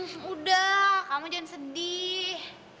hmm udah kamu jangan sedih